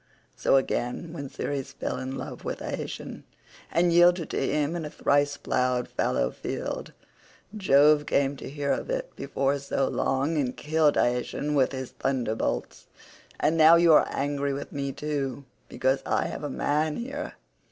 So again when Ceres fell in love with Iasion, and yielded to him in a thrice ploughed fallow field, Jove came to hear of it before so very long and killed Iasion with his thunderbolts. And now you are angry with me too because I have a man here.